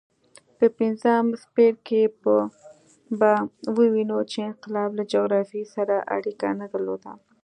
په پنځم څپرکي کې به ووینو چې انقلاب له جغرافیې سره اړیکه نه درلوده.